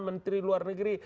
menteri luar negeri